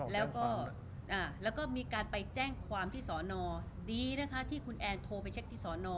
แล้วก็มีการไปแจ้งความที่สอนอดีนะคะที่คุณแอนโทรไปเช็คที่สอนอ